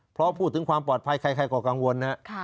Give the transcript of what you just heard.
เพราะพูดถึงความปลอดภัยใครก็กังวลนะครับ